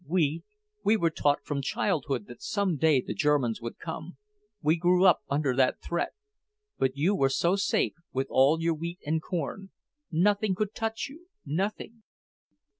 We, we were taught from childhood that some day the Germans would come; we grew up under that threat. But you were so safe, with all your wheat and corn. Nothing could touch you, nothing!"